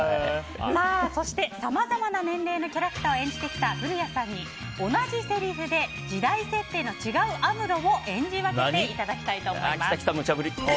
そしてさまざまな年齢のキャラクターを演じてきた古谷さんに同じせりふで時代設定の違うアムロを演じ分けていただきたいと思います。